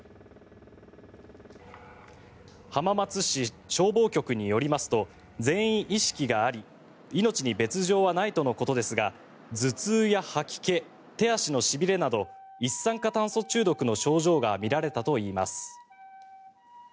浜松市消防局によりますと全員意識があり命に別条はないとのことですが頭痛や吐き気、手足のしびれなど一酸化炭素中毒の症状が見られたといいます。